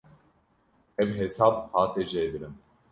Ev hesab hate jêbirin.